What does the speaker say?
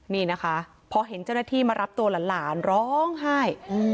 นี่นะคะพอเห็นเจ้าหน้าที่มารับตัวหลานร้องไห้